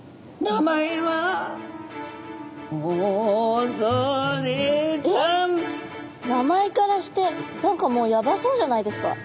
名前からして何かもうやばそうじゃないですか。